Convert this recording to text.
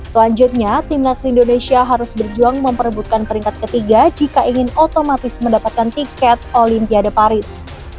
selanjutnya timnas indonesia harus berjuang memperebutkan peringkat ketiga jika ingin otomatis mendapatkan tiket olimpiade paris